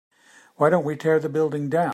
why don't we tear the building down?